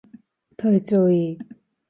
体調いい